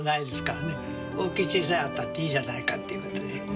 大きい小さいあったっていいじゃないかっていう事で。